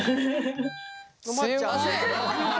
すいません。